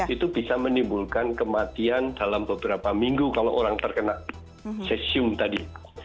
itu bisa menimbulkan kematian dalam beberapa minggu kalau orang terkena cesium tadi